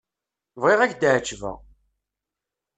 Bɣiɣ ad k-εeǧbeɣ.